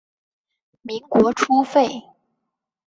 民国初废。